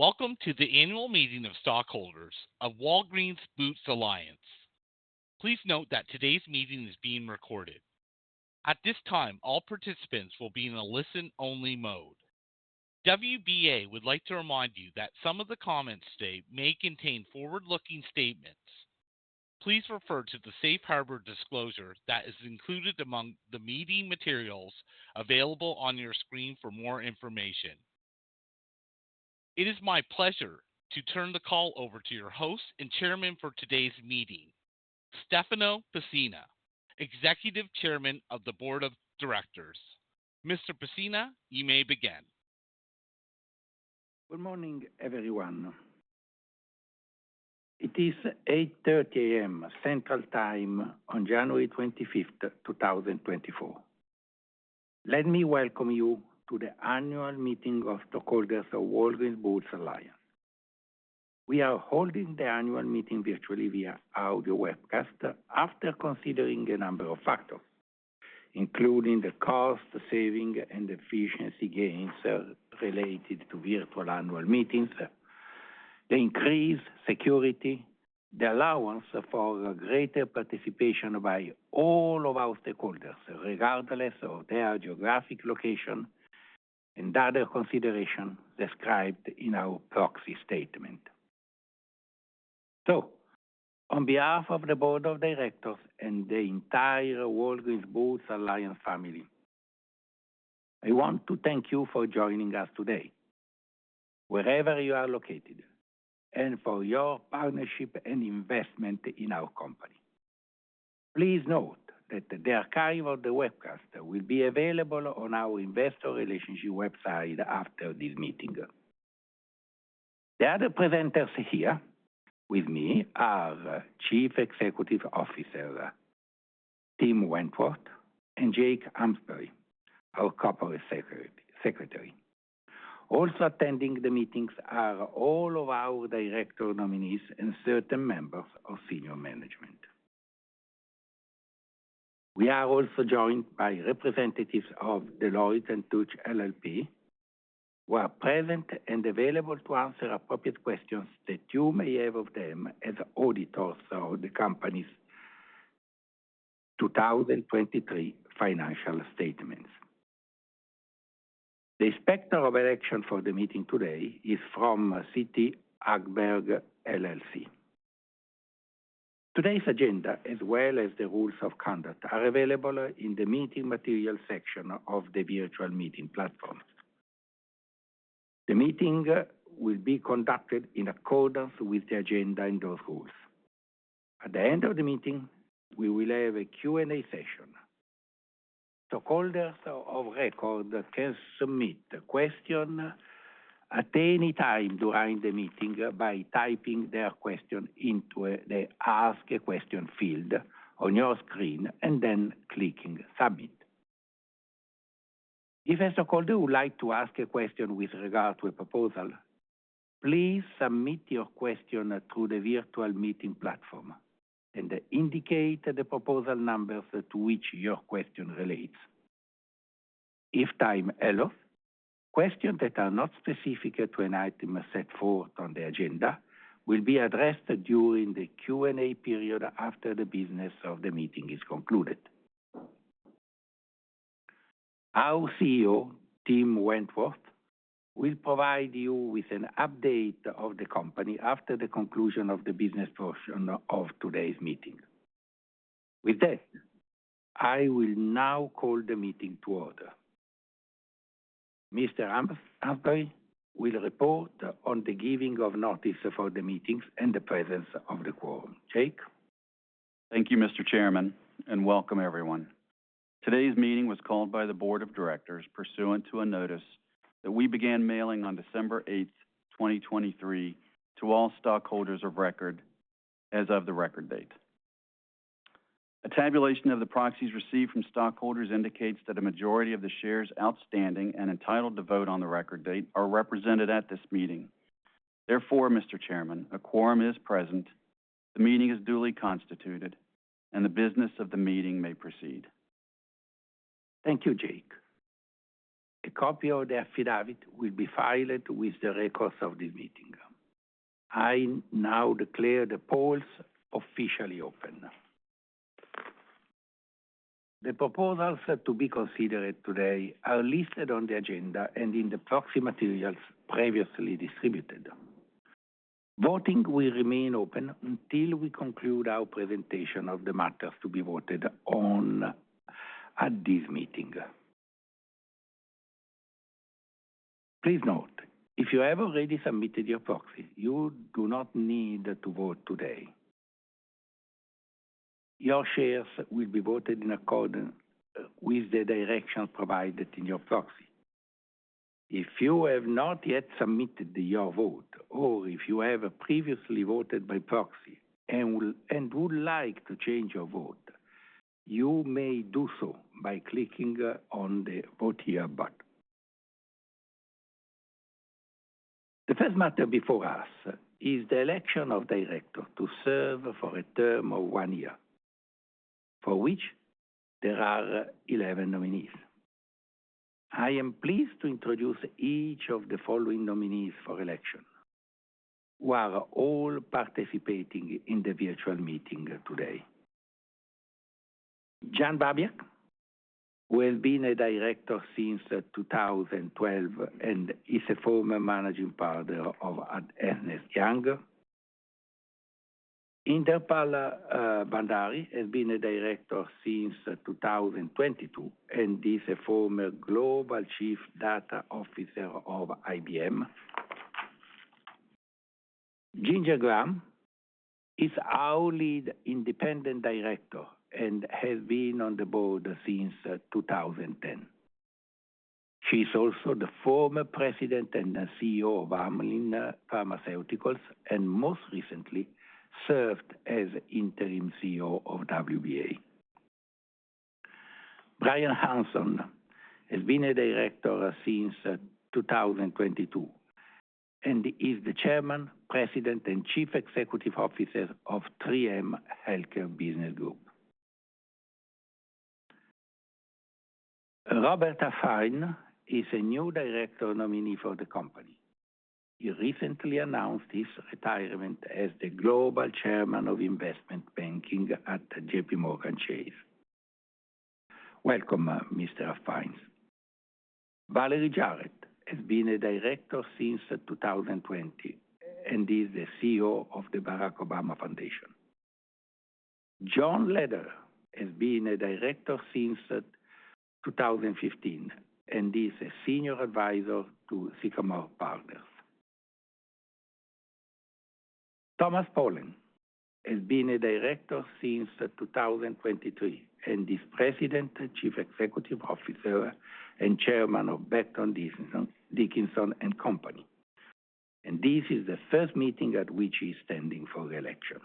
Welcome to the annual meeting of stockholders of Walgreens Boots Alliance. Please note that today's meeting is being recorded. At this time, all participants will be in a listen-only mode. WBA would like to remind you that some of the comments today may contain forward-looking statements. Please refer to the Safe Harbor disclosure that is included among the meeting materials available on your screen for more information. It is my pleasure to turn the call over to your host and chairman for today's meeting, Stefano Pessina, Executive Chairman of the Board of Directors. Mr. Pessina, you may begin. Good morning, everyone. It is 8:30 A.M. Central Time on January 25, 2024. Let me welcome you to the annual meeting of stockholders of Walgreens Boots Alliance. We are holding the annual meeting virtually via audio webcast after considering a number of factors, including the cost saving and efficiency gains related to virtual annual meetings, the increased security, the allowance for greater participation by all of our stakeholders, regardless of their geographic location, and other consideration described in our proxy statement. So on behalf of the board of directors and the entire Walgreens Boots Alliance family, I want to thank you for joining us today, wherever you are located, and for your partnership and investment in our company. Please note that the archive of the webcast will be available on our investor relationship website after this meeting. The other presenters here with me are Chief Executive Officer, Tim Wentworth, and Jake Amsbary, our corporate secretary, secretary. Also attending the meetings are all of our director nominees and certain members of senior management. We are also joined by representatives of Deloitte & Touche LLP, who are present and available to answer appropriate questions that you may have of them as auditors of the company's 2023 financial statements. The inspector of election for the meeting today is from CT Hagberg LLC. Today's agenda, as well as the rules of conduct, are available in the Meeting Materials section of the virtual meeting platform. The meeting will be conducted in accordance with the agenda and those rules. At the end of the meeting, we will have a Q&A session. Stockholders of record can submit a question at any time during the meeting by typing their question into the Ask a Question field on your screen and then clicking Submit. If a stockholder would like to ask a question with regard to a proposal, please submit your question through the virtual meeting platform and indicate the proposal number to which your question relates. If time allows, questions that are not specific to an item set forth on the agenda will be addressed during the Q&A period after the business of the meeting is concluded. Our CEO, Tim Wentworth, will provide you with an update of the company after the conclusion of the business portion of today's meeting. With that, I will now call the meeting to order. Mr. Amsbary will report on the giving of notice for the meetings and the presence of the quorum. Jake? Thank you, Mr. Chairman, and welcome, everyone. Today's meeting was called by the board of directors, pursuant to a notice that we began mailing on December 8, 2023, to all stockholders of record as of the record date. A tabulation of the proxies received from stockholders indicates that a majority of the shares outstanding and entitled to vote on the record date are represented at this meeting. Therefore, Mr. Chairman, a quorum is present, the meeting is duly constituted, and the business of the meeting may proceed. Thank you, Jake. A copy of the affidavit will be filed with the records of this meeting. I now declare the polls officially open. The proposals set to be considered today are listed on the agenda and in the proxy materials previously distributed. Voting will remain open until we conclude our presentation of the matters to be voted on at this meeting. Please note, if you have already submitted your proxy, you do not need to vote today. Your shares will be voted in accordance with the directions provided in your proxy. If you have not yet submitted your vote, or if you have previously voted by proxy and would like to change your vote, you may do so by clicking on the Vote Here button. The first matter before us is the election of directors to serve for a term of one year.... for which there are 11 nominees. I am pleased to introduce each of the following nominees for election, who are all participating in the virtual meeting today. Janice Babiak, who has been a director since 2012 and is a former managing partner of Ernst & Young. Inderpal Bhandari has been a director since 2022 and is a former Global Chief Data Officer of IBM. Ginger Graham is our Lead Independent Director and has been on the board since 2010. She's also the former president and CEO of Amylin Pharmaceuticals, and most recently served as interim CEO of WBA. Brian Hanson has been a director since 2022, and he's the Chairman, President, and Chief Executive Officer of 3M Health Care Business Group. Robert Huffines is a new director nominee for the company. He recently announced his retirement as the global chairman of investment banking at JPMorgan Chase. Welcome, Mr. Huffines. Valerie Jarrett has been a director since 2020 and is the CEO of the Barack Obama Foundation. John Lederer has been a director since 2015 and is a senior advisor to Sycamore Partners. Thomas Polen has been a director since 2023 and is President, Chief Executive Officer, and Chairman of Becton, Dickinson and Company. And this is the first meeting at which he's standing for re-election.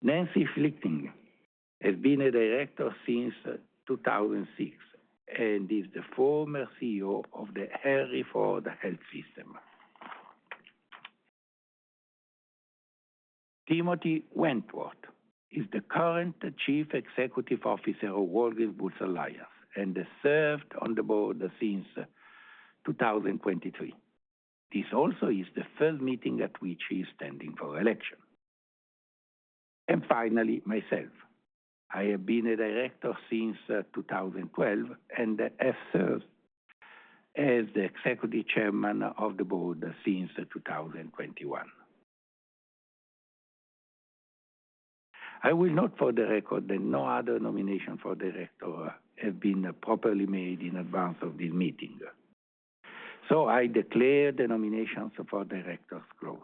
Nancy Schlichting has been a director since 2006 and is the former CEO of the Henry Ford Health System. Timothy Wentworth is the current Chief Executive Officer of Walgreens Boots Alliance and has served on the board since 2023. This also is the first meeting at which he's standing for election. And finally, myself. I have been a director since 2012, and I serve as the executive chairman of the board since 2021. I will note for the record that no other nomination for director has been properly made in advance of this meeting. So I declare the nominations for directors closed.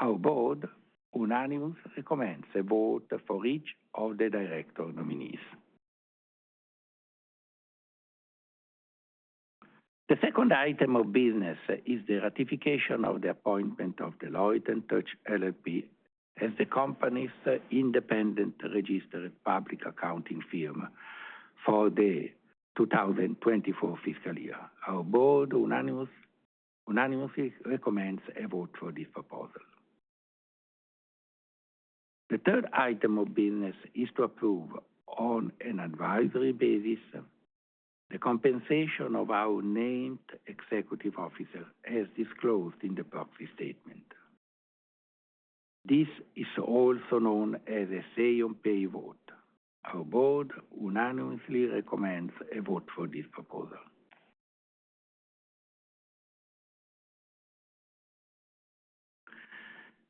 Our board unanimously recommends a vote for each of the director nominees. The second item of business is the ratification of the appointment of Deloitte & Touche LLP as the company's independent registered public accounting firm for the 2024 fiscal year. Our board unanimously recommends a vote for this proposal. The third item of business is to approve, on an advisory basis, the compensation of our named executive officer as disclosed in the proxy statement. This is also known as a Say-On-Pay vote. Our board unanimously recommends a vote for this proposal.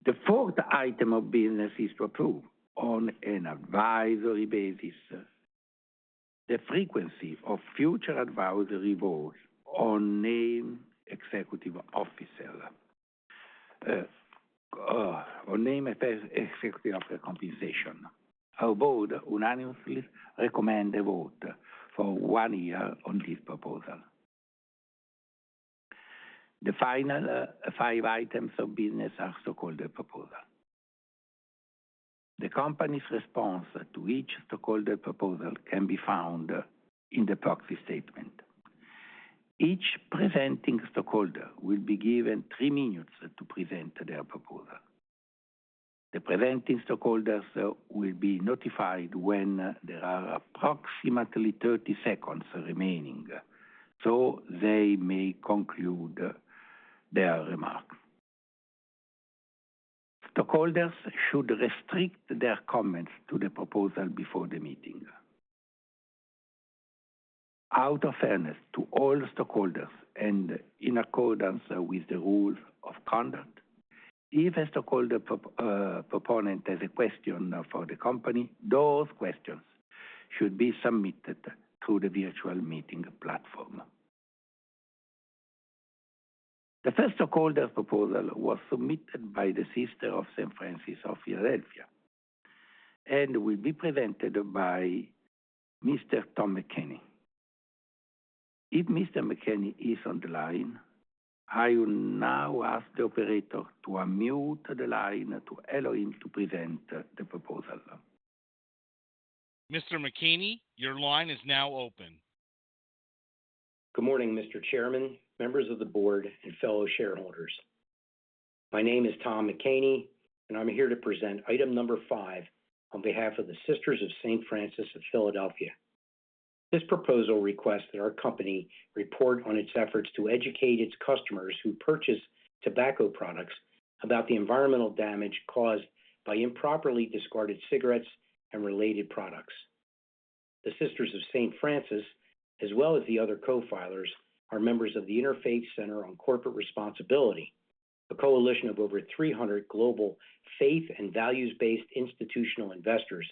The fourth item of business is to approve, on an advisory basis, the frequency of future advisory vote on named executive officer, on named executive officer compensation. Our board unanimously recommend a vote for one year on this proposal. The final, five items of business are stockholder proposal. The company's response to each stockholder proposal can be found in the proxy statement. Each presenting stockholder will be given three minutes to present their proposal. The presenting stockholders will be notified when there are approximately thirty seconds remaining, so they may conclude their remarks. Stockholders should restrict their comments to the proposal before the meeting. Out of fairness to all stockholders and in accordance with the rules of conduct, if a stockholder proponent has a question for the company, those questions should be submitted through the virtual meeting platform. The first stockholder proposal was submitted by the Sisters of St. Francis of Philadelphia and will be presented by Mr. Tom McCaney. If Mr. McCaney is on the line, I will now ask the operator to unmute the line to allow him to present the proposal. Mr. McCaney, your line is now open. Good morning, Mr. Chairman, members of the board, and fellow shareholders. My name is Tom McCaney, and I'm here to present item number five on behalf of the Sisters of St. Francis of Philadelphia. This proposal requests that our company report on its efforts to educate its customers who purchase tobacco products about the environmental damage caused by improperly discarded cigarettes and related products. The Sisters of St. Francis, as well as the other co-filers, are members of the Interfaith Center on Corporate Responsibility, a coalition of over 300 global faith and values-based institutional investors,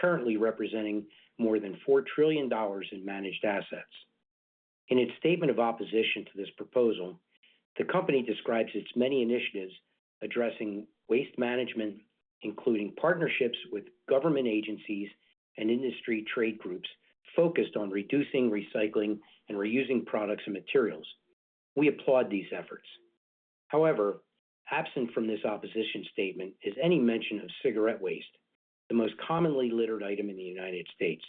currently representing more than $4 trillion in managed assets. In its statement of opposition to this proposal, the company describes its many initiatives addressing waste management, including partnerships with government agencies and industry trade groups focused on reducing, recycling, and reusing products and materials. We applaud these efforts. However, absent from this opposition statement is any mention of cigarette waste, the most commonly littered item in the United States.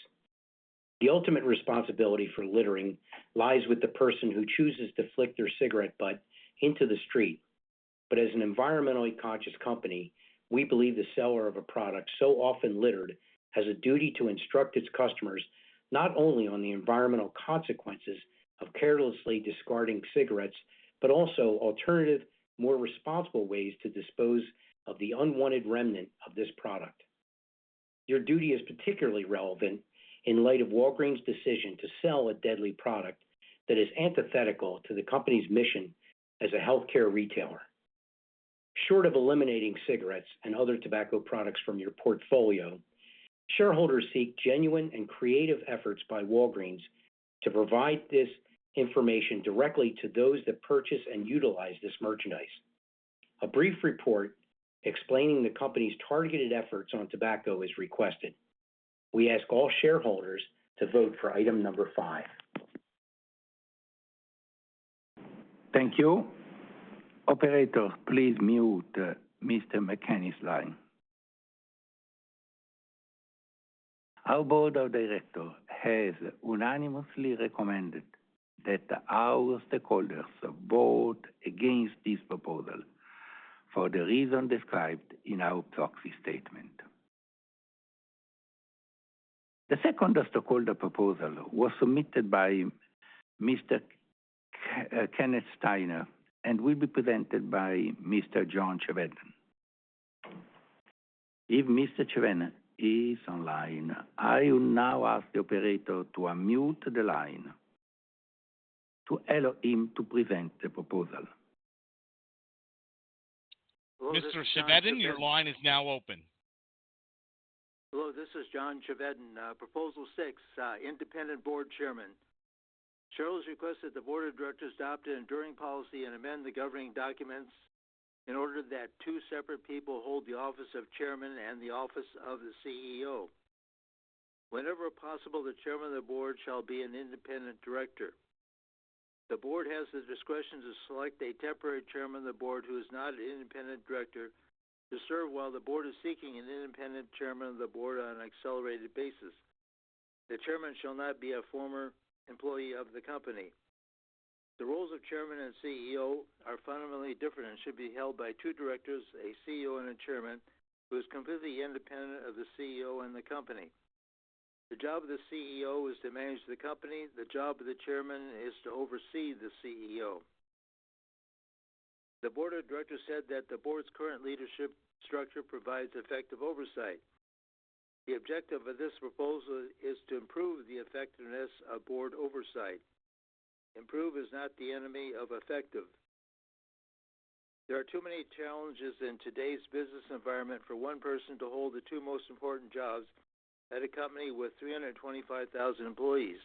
The ultimate responsibility for littering lies with the person who chooses to flick their cigarette butt into the street. But as an environmentally conscious company, we believe the seller of a product so often littered has a duty to instruct its customers not only on the environmental consequences of carelessly discarding cigarettes, but also alternative, more responsible ways to dispose of the unwanted remnant of this product. Your duty is particularly relevant in light of Walgreens' decision to sell a deadly product that is antithetical to the company's mission as a healthcare retailer. Short of eliminating cigarettes and other tobacco products from your portfolio, shareholders seek genuine and creative efforts by Walgreens to provide this information directly to those that purchase and utilize this merchandise. A brief report explaining the company's targeted efforts on tobacco is requested. We ask all shareholders to vote for item number five. Thank you. Operator, please mute Mr. McCaney's line. Our board of directors has unanimously recommended that our stakeholders vote against this proposal for the reason described in our proxy statement. The second stakeholder proposal was submitted by Mr. Kenneth Steiner and will be presented by Mr. John Chevedden. If Mr. Chevedden is online, I will now ask the operator to unmute the line to allow him to present the proposal. Mr. Chevedden, your line is now open. Hello, this is John Chevedden. Proposal six, independent board chairman. Shareholders request that the board of directors adopt an enduring policy and amend the governing documents in order that two separate people hold the office of chairman and the office of the CEO. Whenever possible, the chairman of the board shall be an independent director. The board has the discretion to select a temporary chairman of the board, who is not an independent director, to serve while the board is seeking an independent chairman of the board on an accelerated basis. The chairman shall not be a former employee of the company. The roles of chairman and CEO are fundamentally different and should be held by two directors, a CEO, and a chairman, who is completely independent of the CEO and the company. The job of the CEO is to manage the company. The job of the chairman is to oversee the CEO. The board of directors said that the board's current leadership structure provides effective oversight. The objective of this proposal is to improve the effectiveness of board oversight. Improve is not the enemy of effective. There are too many challenges in today's business environment for one person to hold the two most important jobs at a company with 325,000 employees.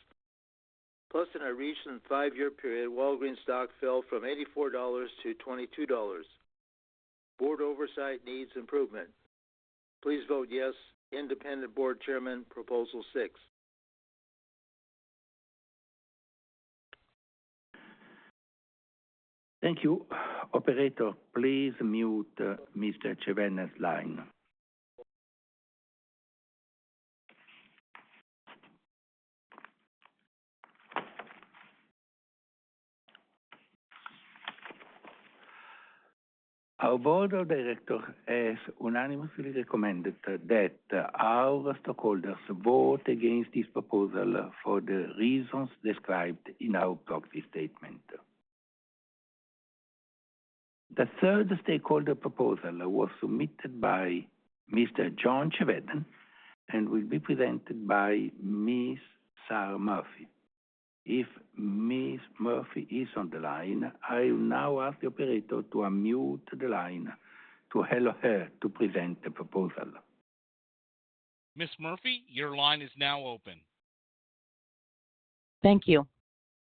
Plus, in a recent five-year period, Walgreens' stock fell from $84-$22. Board oversight needs improvement. Please vote yes. Independent board chairman, proposal six. Thank you. Operator, please mute Mr. Chevedden's line. Our board of directors has unanimously recommended that our stakeholders vote against this proposal for the reasons described in our proxy statement. The third stakeholder proposal was submitted by Mr. John Chevedden and will be presented by Ms. Sarah Murphy. If Ms. Murphy is on the line, I will now ask the operator to unmute the line to allow her to present the proposal. Ms. Murphy, your line is now open. Thank you.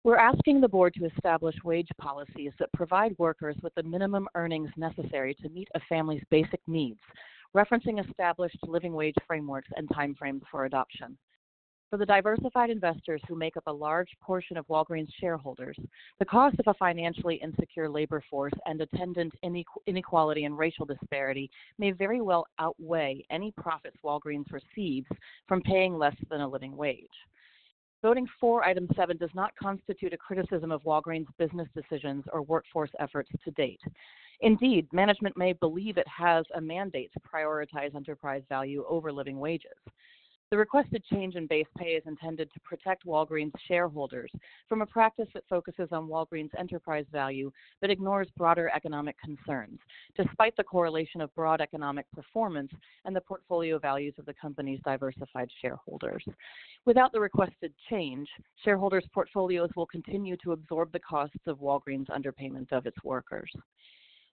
We're asking the board to establish wage policies that provide workers with the minimum earnings necessary to meet a family's basic needs, referencing established living wage frameworks and timeframes for adoption.... For the diversified investors who make up a large portion of Walgreens shareholders, the cost of a financially insecure labor force and attendant inequality and racial disparity may very well outweigh any profits Walgreens receives from paying less than a living wage. Voting for item seven does not constitute a criticism of Walgreens' business decisions or workforce efforts to date. Indeed, management may believe it has a mandate to prioritize enterprise value over living wages. The requested change in base pay is intended to protect Walgreens' shareholders from a practice that focuses on Walgreens' enterprise value, but ignores broader economic concerns, despite the correlation of broad economic performance and the portfolio values of the company's diversified shareholders. Without the requested change, shareholders' portfolios will continue to absorb the costs of Walgreens' underpayment of its workers.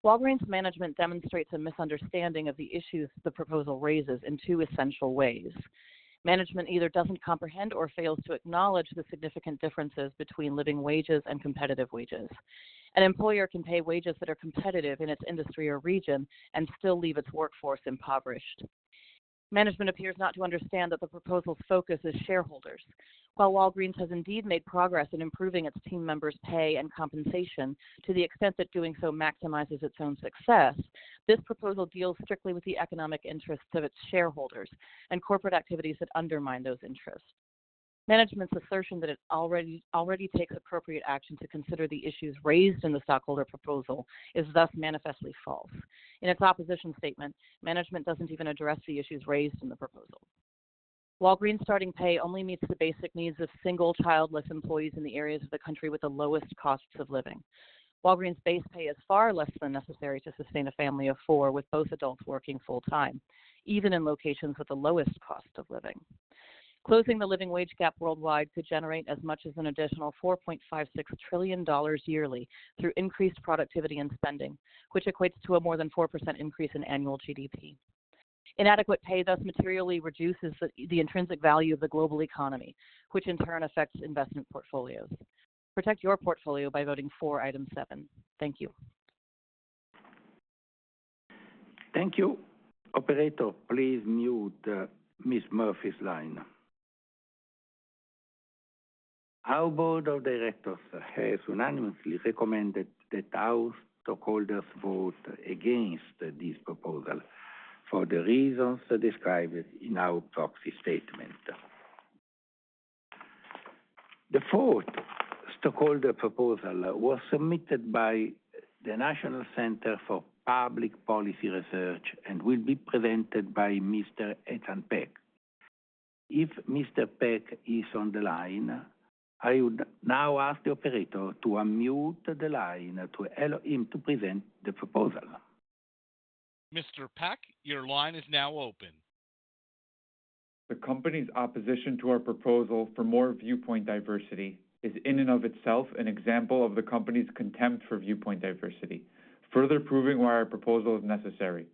Walgreens management demonstrates a misunderstanding of the issues the proposal raises in two essential ways. Management either doesn't comprehend or fails to acknowledge the significant differences between living wages and competitive wages. An employer can pay wages that are competitive in its industry or region and still leave its workforce impoverished. Management appears not to understand that the proposal's focus is shareholders. While Walgreens has indeed made progress in improving its team members' pay and compensation to the extent that doing so maximizes its own success, this proposal deals strictly with the economic interests of its shareholders and corporate activities that undermine those interests. Management's assertion that it already takes appropriate action to consider the issues raised in the stockholder proposal is thus manifestly false. In its opposition statement, management doesn't even address the issues raised in the proposal. Walgreens' starting pay only meets the basic needs of single, childless employees in the areas of the country with the lowest costs of living. Walgreens' base pay is far less than necessary to sustain a family of four, with both adults working full-time, even in locations with the lowest cost of living. Closing the living wage gap worldwide could generate as much as an additional $4.56 trillion yearly through increased productivity and spending, which equates to a more than 4% increase in annual GDP. Inadequate pay thus materially reduces the intrinsic value of the global economy, which in turn affects investment portfolios. Protect your portfolio by voting for item seven. Thank you. Thank you. Operator, please mute, Ms. Murphy's line. Our board of directors has unanimously recommended that our stockholders vote against this proposal for the reasons described in our proxy statement. The fourth stakeholder proposal was submitted by the National Center for Public Policy Research and will be presented by Mr. Ethan Peck. If Mr. Peck is on the line, I would now ask the operator to unmute the line to allow him to present the proposal. Mr. Peck, your line is now open. The company's opposition to our proposal for more viewpoint diversity is in and of itself, an example of the company's contempt for viewpoint diversity, further proving why our proposal is necessary.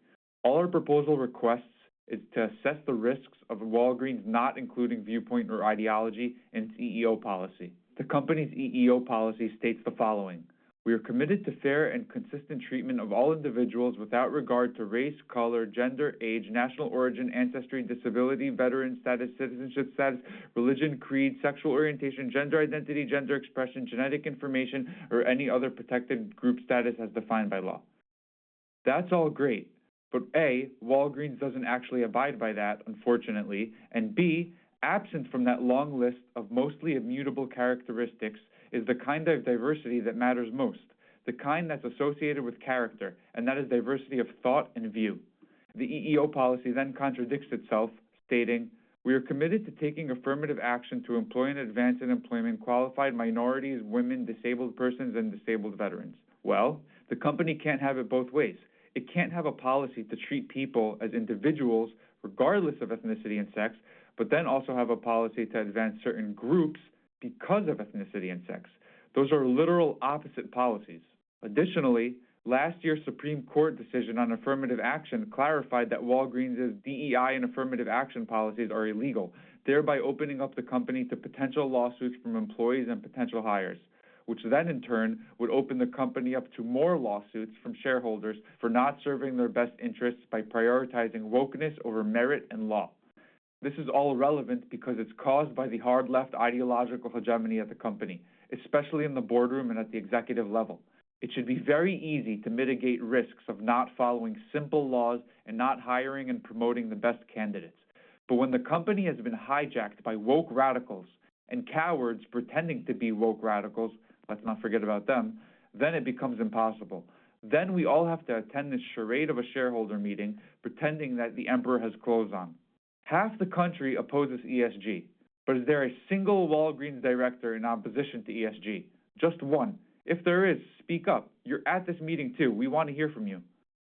All our proposal requests is to assess the risks of Walgreens not including viewpoint or ideology in its EEO policy. The company's EEO policy states the following: "We are committed to fair and consistent treatment of all individuals without regard to race, color, gender, age, national origin, ancestry, disability, veteran status, citizenship status, religion, creed, sexual orientation, gender identity, gender expression, genetic information, or any other protected group status as defined by law." That's all great, but A, Walgreens doesn't actually abide by that, unfortunately, and B, absent from that long list of mostly immutable characteristics is the kind of diversity that matters most, the kind that's associated with character, and that is diversity of thought and view. The EEO policy then contradicts itself, stating, "We are committed to taking affirmative action to employ and advance in employment, qualified minorities, women, disabled persons, and disabled veterans." Well, the company can't have it both ways. It can't have a policy to treat people as individuals, regardless of ethnicity and sex, but then also have a policy to advance certain groups because of ethnicity and sex. Those are literal opposite policies. Additionally, last year's Supreme Court decision on affirmative action clarified that Walgreens' DEI and affirmative action policies are illegal, thereby opening up the company to potential lawsuits from employees and potential hires, which then in turn would open the company up to more lawsuits from shareholders for not serving their best interests by prioritizing wokeness over merit and law. This is all relevant because it's caused by the hard left ideological hegemony of the company, especially in the boardroom and at the executive level. It should be very easy to mitigate risks of not following simple laws and not hiring and promoting the best candidates. But when the company has been hijacked by woke radicals and cowards pretending to be woke radicals, let's not forget about them, then it becomes impossible. Then we all have to attend this charade of a shareholder meeting, pretending that the emperor has clothes on. Half the country opposes ESG, but is there a single Walgreens director in opposition to ESG? Just one. If there is, speak up. You're at this meeting too. We want to hear from you.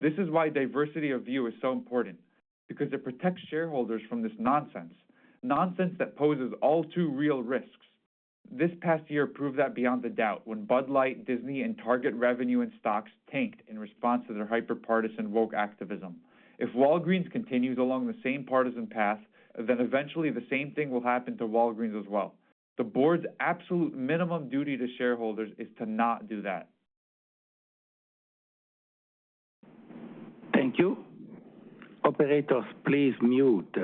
This is why diversity of view is so important, because it protects shareholders from this nonsense, nonsense that poses all too real risks. This past year proved that beyond the doubt, when Bud Light, Disney, and Target revenue and stocks tanked in response to their hyper-partisan woke activism. If Walgreens continues along the same partisan path, then eventually the same thing will happen to Walgreens as well. The board's absolute minimum duty to shareholders is to not do that.... Thank you. Operator, please mute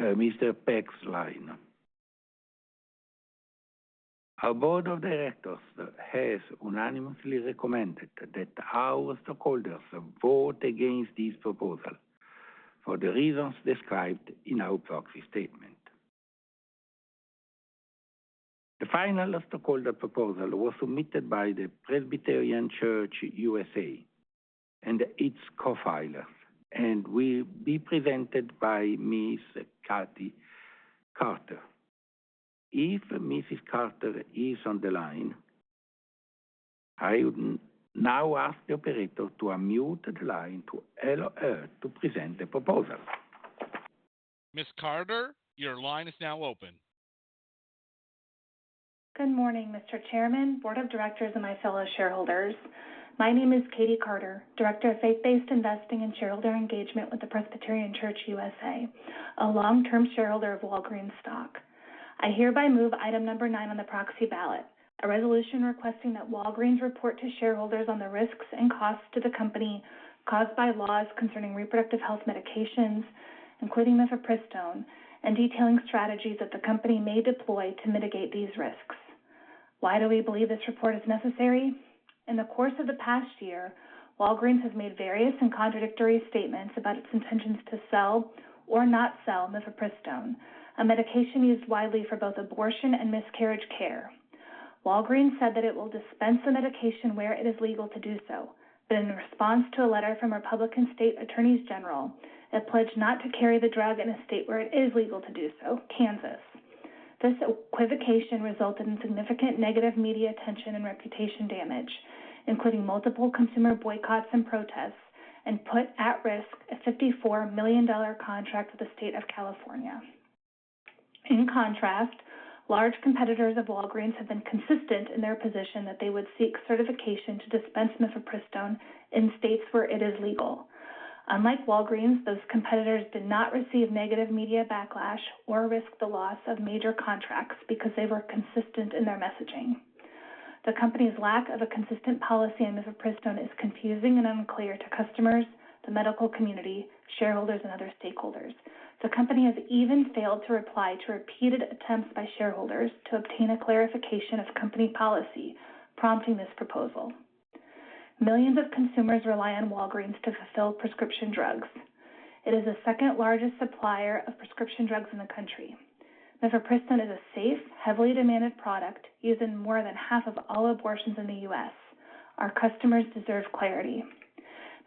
Mr. Peck's line. Our board of directors has unanimously recommended that our stockholders vote against this proposal for the reasons described in our proxy statement. The final stockholder proposal was submitted by the Presbyterian Church (U.S.A.) and its co-filer, and will be presented by Ms. Katie Carter. If Mrs. Carter is on the line, I would now ask the operator to unmute the line to allow her to present the proposal. Ms. Carter, your line is now open. Good morning, Mr. Chairman, board of directors, and my fellow shareholders. My name is Katie Carter, Director of Faith-Based Investing and Shareholder Engagement with the Presbyterian Church (U.S.A.), a long-term shareholder of Walgreens stock. I hereby move item number nine on the proxy ballot, a resolution requesting that Walgreens report to shareholders on the risks and costs to the company caused by laws concerning reproductive health medications, including mifepristone, and detailing strategies that the company may deploy to mitigate these risks. Why do we believe this report is necessary? In the course of the past year, Walgreens has made various and contradictory statements about its intentions to sell or not sell mifepristone, a medication used widely for both abortion and miscarriage care. Walgreens said that it will dispense the medication where it is legal to do so, but in response to a letter from Republican state attorneys general that pledged not to carry the drug in a state where it is legal to do so, Kansas. This equivocation resulted in significant negative media attention and reputation damage, including multiple consumer boycotts and protests, and put at risk a $54 million contract with the state of California. In contrast, large competitors of Walgreens have been consistent in their position that they would seek certification to dispense mifepristone in states where it is legal. Unlike Walgreens, those competitors did not receive negative media backlash or risk the loss of major contracts because they were consistent in their messaging. The company's lack of a consistent policy on mifepristone is confusing and unclear to customers, the medical community, shareholders, and other stakeholders. The company has even failed to reply to repeated attempts by shareholders to obtain a clarification of company policy, prompting this proposal. Millions of consumers rely on Walgreens to fulfill prescription drugs. It is the second-largest supplier of prescription drugs in the country. mifepristone is a safe, heavily demanded product, used in more than half of all abortions in the U.S. Our customers deserve clarity.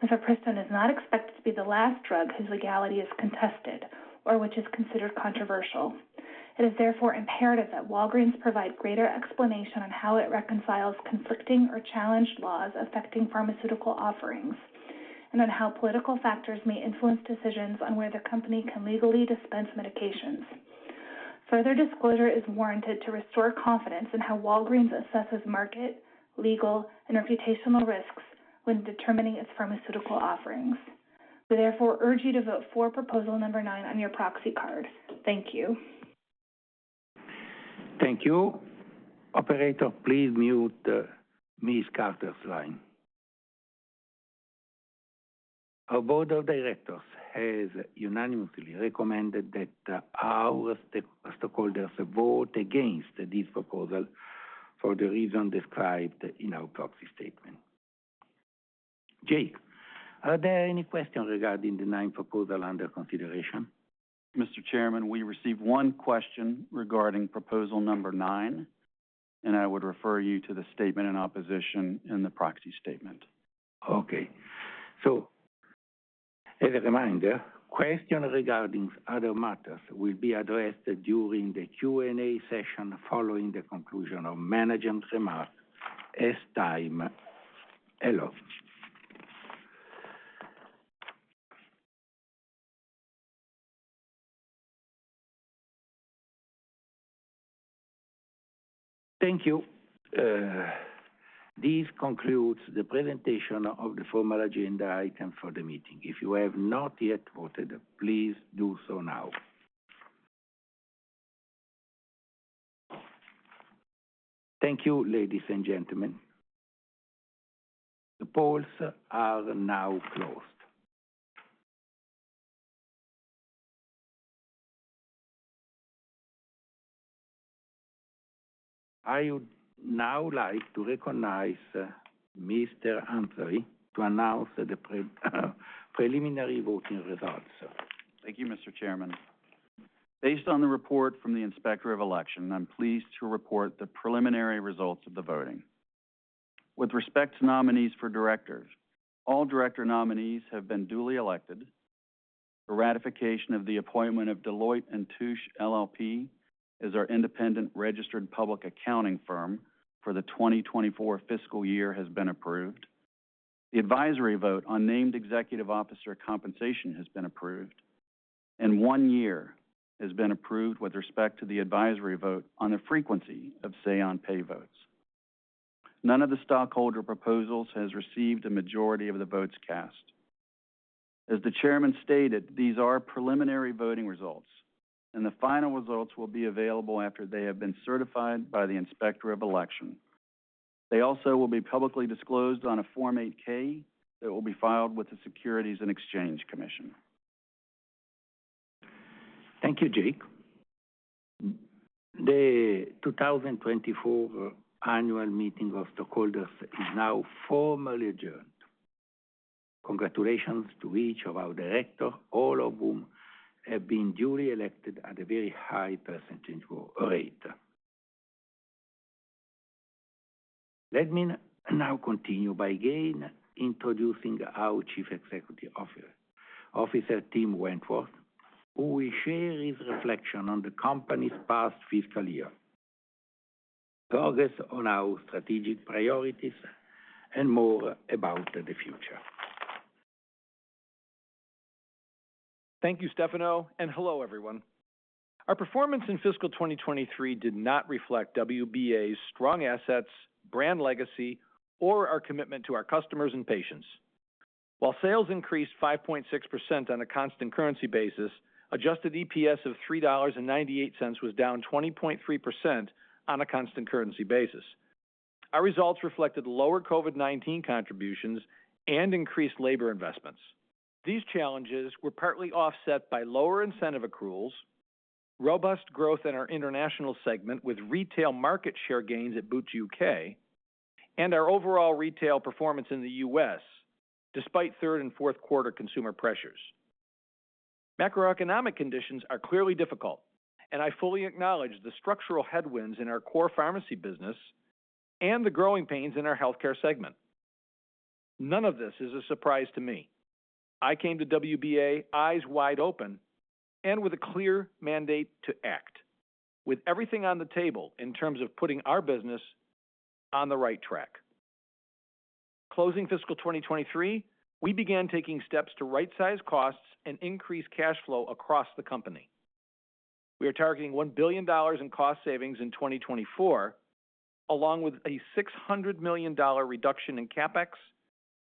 mifepristone is not expected to be the last drug whose legality is contested or which is considered controversial. It is therefore imperative that Walgreens provide greater explanation on how it reconciles conflicting or challenged laws affecting pharmaceutical offerings, and on how political factors may influence decisions on where the company can legally dispense medications. Further disclosure is warranted to restore confidence in how Walgreens assesses market, legal, and reputational risks when determining its pharmaceutical offerings. We therefore urge you to vote for proposal number nine on your proxy card. Thank you. Thank you. Operator, please mute Ms. Carter's line. Our board of directors has unanimously recommended that our stockholders vote against this proposal for the reason described in our proxy statement. Jake, are there any questions regarding the ninth proposal under consideration? Mr. Chairman, we received one question regarding proposal number nine, and I would refer you to the statement in opposition in the proxy statement. Okay. So as a reminder, questions regarding other matters will be addressed during the Q&A session following the conclusion of management's remarks as time allows. Thank you. This concludes the presentation of the formal agenda item for the meeting. If you have not yet voted, please do so now. Thank you, ladies and gentlemen. The polls are now closed. I would now like to recognize Mr. Amsbary to announce the preliminary voting results. Thank you, Mr. Chairman. Based on the report from the Inspector of Election, I'm pleased to report the preliminary results of the voting. With respect to nominees for directors, all director nominees have been duly elected. The ratification of the appointment of Deloitte & Touche LLP as our independent registered public accounting firm for the 2024 fiscal year has been approved. The advisory vote on named executive officer compensation has been approved, and one year has been approved with respect to the advisory vote on the frequency of Say on Pay votes. None of the stockholder proposals has received a majority of the votes cast. As the chairman stated, these are preliminary voting results, and the final results will be available after they have been certified by the Inspector of Election. They also will be publicly disclosed on a Form 8-K that will be filed with the Securities and Exchange Commission. Thank you, Jake. The 2024 Annual Meeting of Stockholders is now formally adjourned. Congratulations to each of our directors, all of whom have been duly elected at a very high percentage rate. Let me now continue by again introducing our Chief Executive Officer Tim Wentworth, who will share his reflection on the company's past fiscal year, progress on our strategic priorities, and more about the future. Thank you, Stefano, and hello, everyone. Our performance in fiscal 2023 did not reflect WBA's strong assets, brand legacy, or our commitment to our customers and patients. While sales increased 5.6% on a constant currency basis, adjusted EPS of $3.98 was down 20.3% on a constant currency basis. Our results reflected lower COVID-19 contributions and increased labor investments. These challenges were partly offset by lower incentive accruals, robust growth in our international segment with retail market share gains at Boots UK, and our overall retail performance in the U.S., despite third and fourth quarter consumer pressures. Macroeconomic conditions are clearly difficult, and I fully acknowledge the structural headwinds in our core pharmacy business and the growing pains in our healthcare segment. None of this is a surprise to me. I came to WBA eyes wide open and with a clear mandate to act, with everything on the table in terms of putting our business on the right track. Closing fiscal 2023, we began taking steps to rightsize costs and increase cash flow across the company. We are targeting $1 billion in cost savings in 2024, along with a $600 million reduction in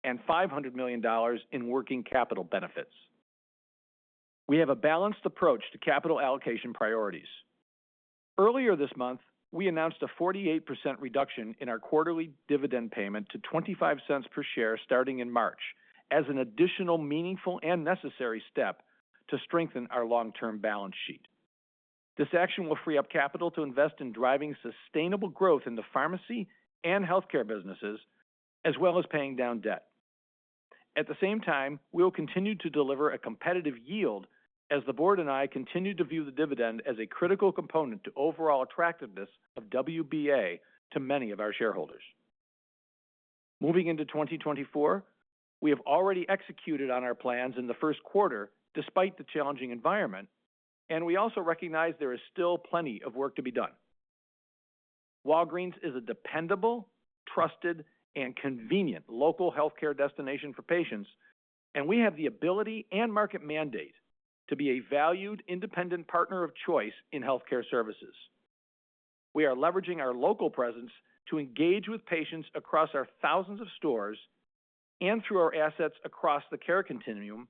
CapEx and $500 million in working capital benefits. We have a balanced approach to capital allocation priorities. Earlier this month, we announced a 48% reduction in our quarterly dividend payment to 0.25 per share, starting in March, as an additional meaningful and necessary step to strengthen our long-term balance sheet. This action will free up capital to invest in driving sustainable growth in the pharmacy and healthcare businesses, as well as paying down debt. At the same time, we will continue to deliver a competitive yield as the board and I continue to view the dividend as a critical component to overall attractiveness of WBA to many of our shareholders. Moving into 2024, we have already executed on our plans in the first quarter, despite the challenging environment, and we also recognize there is still plenty of work to be done. Walgreens is a dependable, trusted, and convenient local healthcare destination for patients, and we have the ability and market mandate to be a valued independent partner of choice in healthcare services. We are leveraging our local presence to engage with patients across our thousands of stores and through our assets across the care continuum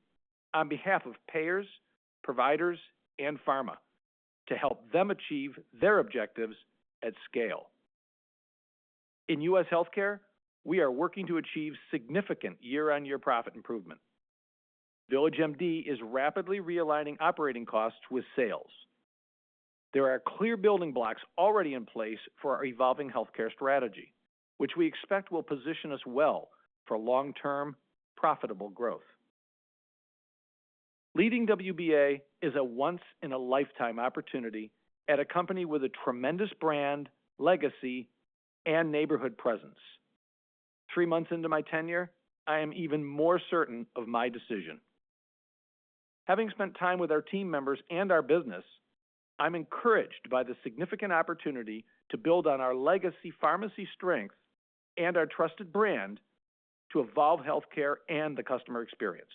on behalf of payers, providers, and pharma to help them achieve their objectives at scale. In U.S. healthcare, we are working to achieve significant year-on-year profit improvement. VillageMD is rapidly realigning operating costs with sales. There are clear building blocks already in place for our evolving healthcare strategy, which we expect will position us well for long-term, profitable growth. Leading WBA is a once-in-a-lifetime opportunity at a company with a tremendous brand, legacy, and neighborhood presence. Three months into my tenure, I am even more certain of my decision. Having spent time with our team members and our business, I'm encouraged by the significant opportunity to build on our legacy pharmacy strength and our trusted brand to evolve healthcare and the customer experience.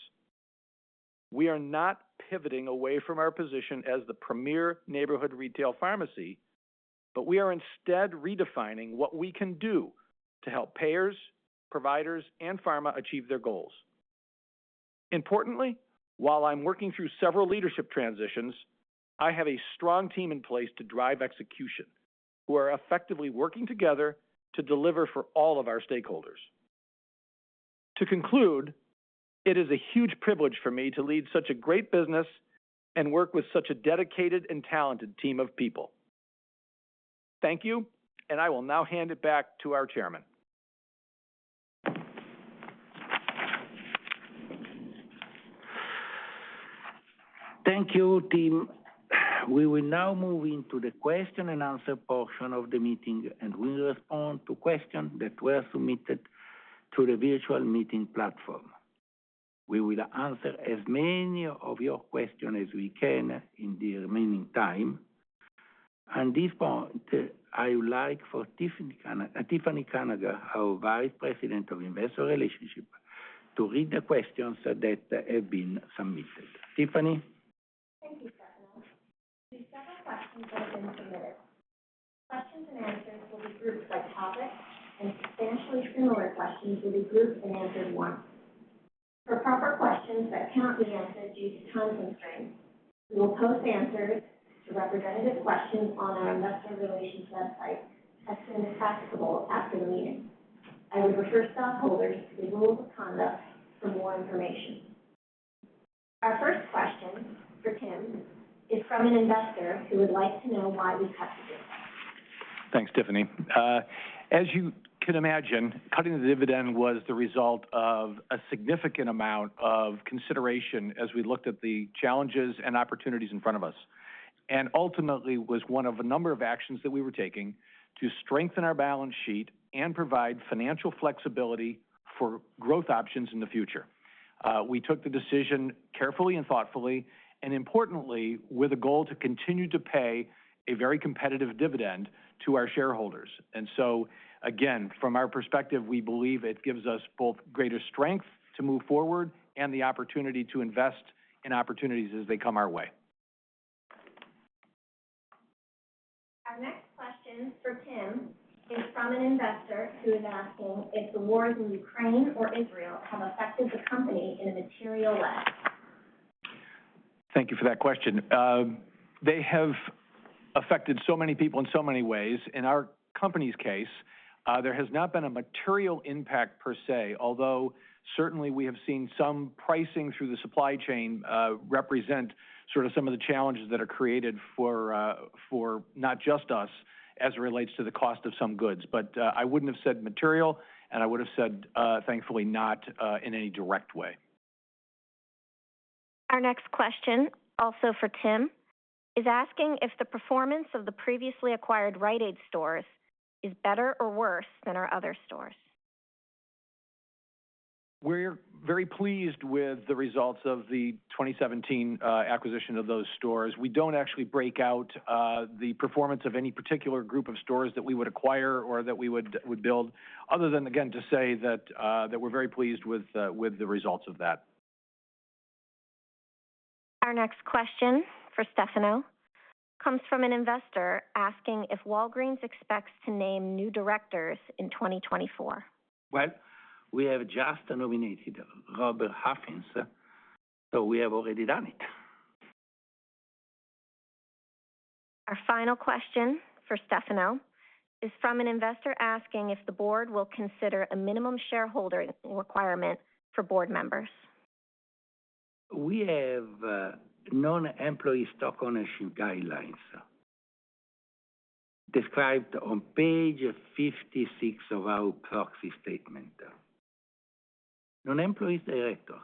We are not pivoting away from our position as the premier neighborhood retail pharmacy, but we are instead redefining what we can do to help payers, providers, and pharma achieve their goals. Importantly, while I'm working through several leadership transitions, I have a strong team in place to drive execution, who are effectively working together to deliver for all of our stakeholders. To conclude, it is a huge privilege for me to lead such a great business and work with such a dedicated and talented team of people. Thank you, and I will now hand it back to our chairman. Thank you, Tim. We will now move into the question and answer portion of the meeting, and we'll respond to questions that were submitted to the virtual meeting platform. We will answer as many of your questions as we can in the remaining time. At this point, I would like for Tiffany Kanaga, our Vice President of Investor Relations, to read the questions that have been submitted. Tiffany? Thank you, Stefano. These several questions have been submitted. Questions and answers will be grouped by topic, and substantially similar questions will be grouped and answered once.... For proper questions that can't be answered due to time constraints, we will post answers to representative questions on our Investor Relations website as soon as practicable after the meeting. I would refer stockholders to the rules of conduct for more information. Our first question for Tim is from an investor who would like to know why we cut the dividend. Thanks, Tiffany. As you can imagine, cutting the dividend was the result of a significant amount of consideration as we looked at the challenges and opportunities in front of us, and ultimately was one of a number of actions that we were taking to strengthen our balance sheet and provide financial flexibility for growth options in the future. We took the decision carefully and thoughtfully, and importantly, with a goal to continue to pay a very competitive dividend to our shareholders. And so again, from our perspective, we believe it gives us both greater strength to move forward and the opportunity to invest in opportunities as they come our way. Our next question for Tim is from an investor who is asking if the wars in Ukraine or Israel have affected the company in a material way? Thank you for that question. They have affected so many people in so many ways. In our company's case, there has not been a material impact per se, although certainly we have seen some pricing through the supply chain, represent sort of some of the challenges that are created for, for not just us, as it relates to the cost of some goods. But, I wouldn't have said material, and I would have said, thankfully not, in any direct way. Our next question, also for Tim, is asking if the performance of the previously acquired Rite Aid stores is better or worse than our other stores. We're very pleased with the results of the 2017 acquisition of those stores. We don't actually break out the performance of any particular group of stores that we would acquire or that we would, we would build, other than again to say that that we're very pleased with with the results of that. Our next question for Stefano comes from an investor asking if Walgreens expects to name new directors in 2024. Well, we have just nominated Robert Huffines, so we have already done it. Our final question for Stefano is from an investor asking if the board will consider a minimum shareholder requirement for board members. We have non-employee stock ownership guidelines described on page 56 of our Proxy Statement. Non-employee directors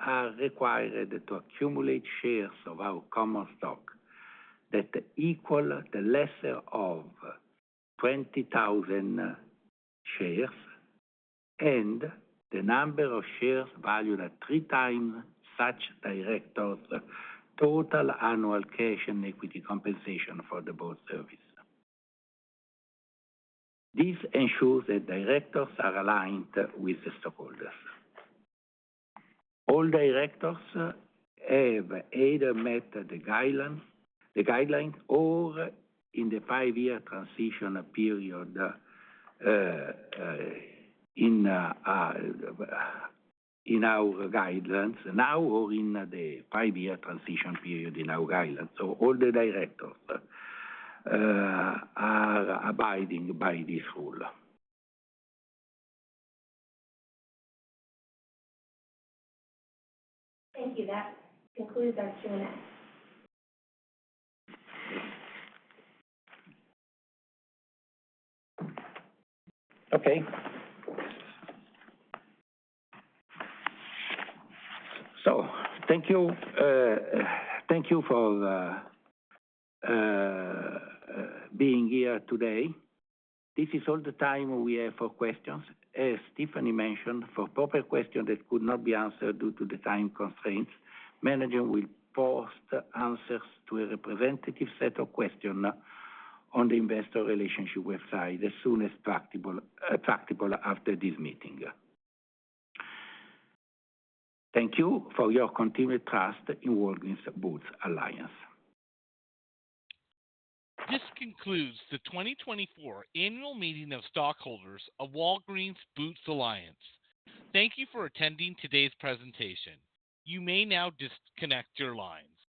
are required to accumulate shares of our common stock that equal the lesser of 20,000 shares, and the number of shares valued at three times such director's total annual cash and equity compensation for the board service. This ensures that directors are aligned with the stockholders. All directors have either met the guidelines, the guidelines or in the five-year transition period, in our guidelines now or in the five-year transition period in our guidelines. So all the directors are abiding by this rule. Thank you. That concludes our Q&A. Okay. So thank you, thank you for being here today. This is all the time we have for questions. As Tiffany mentioned, for proper questions that could not be answered due to the time constraints, management will post answers to a representative set of questions on the Investor Relations website as soon as practicable after this meeting. Thank you for your continued trust in Walgreens Boots Alliance. This concludes the 2024 Annual Meeting of Stockholders of Walgreens Boots Alliance. Thank you for attending today's presentation. You may now disconnect your lines.